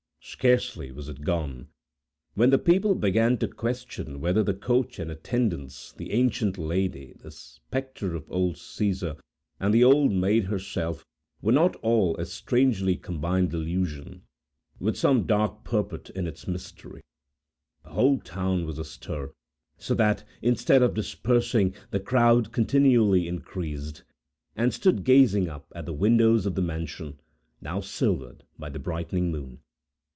Scarcely was it gone, when the people began to question whether the coach and attendants, the ancient lady, the spectre of old Caesar, and the Old Maid herself, were not all a strangely combined delusion, with some dark purport in its mystery. The whole town was astir, so that, instead of dispersing, the crowd continually increased, and stood gazing up at the windows of the mansion, now silvered by the brightening moon.